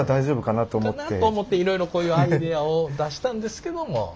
かなと思っていろいろこういうアイデアを出したんですけども。